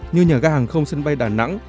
như nhà ga hàng không sân bay đà nẵng